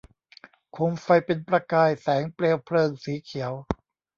โคมไฟเป็นประกายแสงเปลวเพลิงสีเขียว